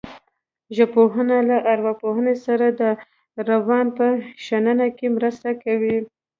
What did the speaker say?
ژبپوهنه له ارواپوهنې سره د روان په شننه کې مرسته کوي